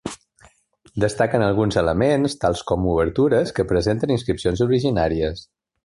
Destaquen alguns elements, tals com obertures, que presenten inscripcions originàries.